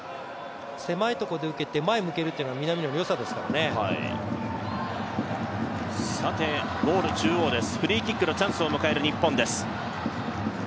狭いところで受けて、前を向けるのが南野の良さですからねフリーキックのチャンスを迎える日本です。